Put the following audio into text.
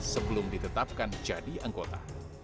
sebelum ditetapkan jadi anggota